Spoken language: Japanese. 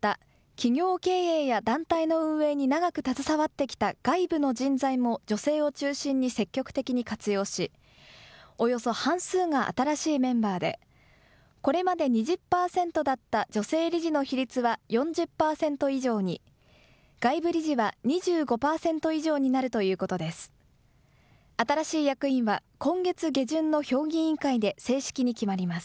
企業経営や団体の運営に長く携わってきた外部の人材も女性を中心に積極的に活用し、およそ半数が新しいメンバーで、これまで２０％だった女性理事の比率は４０％以上に、外部理事は２５％以上になるということです。